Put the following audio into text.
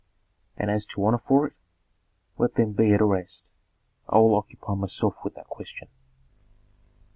And as to honor for it, let them be at rest; I will occupy myself with that question."